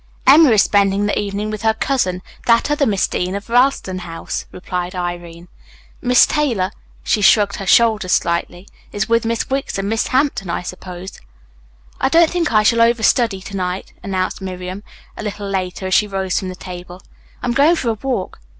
"Emma is spending the evening with her cousin, that other Miss Dean of Ralston House," replied Irene. "Miss Taylor," she shrugged her shoulders slightly, "is with Miss Wicks and Miss Hampton, I suppose." "I don't think I shall overstudy to night," announced Miriam, a little later, as she rose from the table. "I'm going for a walk.